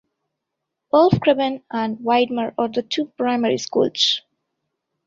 Wolfgraben and Widmer are the two Primary Schools.